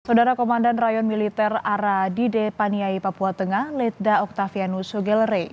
saudara komandan rayon militer aradide paniai papua tengah letda oktavianus sogelere